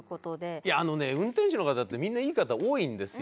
いやあのね運転手の方ってみんないい方多いんですよ。